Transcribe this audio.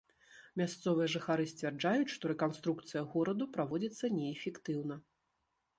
Мясцовыя жыхары сцвярджаюць, што рэканструкцыя гораду праводзіцца неэфектыўна.